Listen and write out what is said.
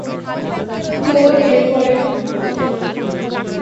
তো, এরপরে কী করবো?